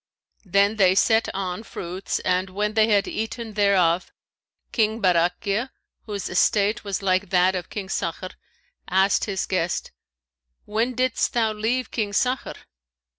Then they set on fruits, and when they had eaten thereof, King Barakhiya, whose estate was like that of King Sakhr, asked his guest, 'When didst thou leave King Sakhr?'